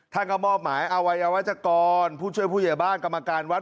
ท่านก็มอบหมายเอาไว้เอาไว้จากกรผู้ช่วยผู้เหยียบ้านกรรมการวัด